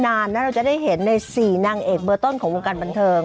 นานนะเราจะได้เห็นใน๔นางเอกเบอร์ต้นของวงการบันเทิง